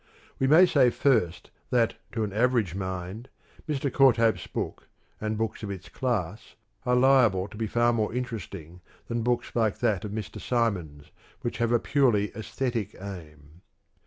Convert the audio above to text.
We may say first that to an average mind, Mr. Court hope's book, and books of its class, are liable to be far more interesting than books like that of Mr. Symons, which have a purely aesthetic aim.